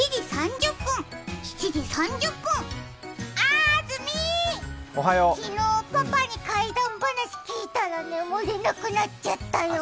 あずみ昨日パパに怪談話聞いたら寝れなくなっちゃったよ。